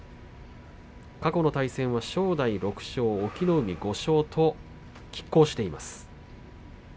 過去の対戦は正代６勝隠岐の海５勝ときっ抗しています。